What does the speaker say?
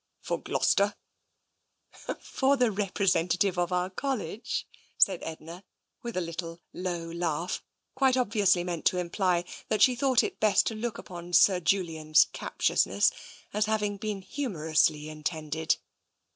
For Gloucester ?" For the representative of our College," said Edna, with a little low laugh, quite obviously meant to imply that she thought it best to look upon Sir Julian's cap tiousness as having been humorously intended.